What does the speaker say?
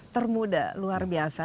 termuda luar biasa